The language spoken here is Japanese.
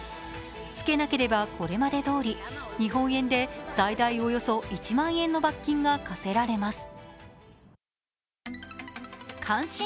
つけなければこれまでどおり日本円で最大およそ１万円の罰金が科せられます。